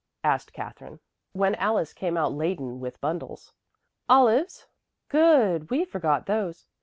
asked Katherine, when Alice came out laden with bundles. "Olives " "Good! We forgot those."